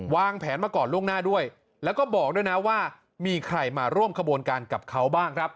วางแผนมาก่อนล่วงหน้าด้วยแล้วก็บอกด้วยนะว่ามีใครมาร่วมขบวนการกับเขาบ้างครับ